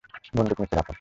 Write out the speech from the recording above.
বন্দুক নিচে রাখো।